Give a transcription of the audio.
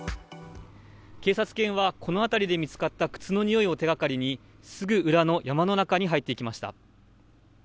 警察犬はこの辺りで見つかった靴のにおいを手がかりに、すぐ裏の山の中に入っていきました。